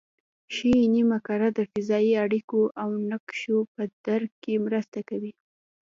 ښي نیمه کره د فضایي اړیکو او نقشو په درک کې مرسته کوي